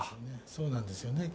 そうなんですよね。